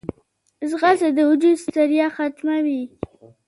ځغاسته د وجود ستړیا ختموي